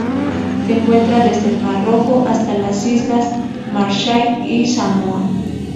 Se encuentra desde el Mar Rojo hasta las Islas Marshall y Samoa.